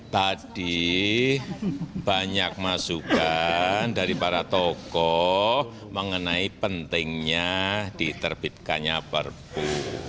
tadi banyak masukan dari para tokoh mengenai pentingnya diterbitkannya perpu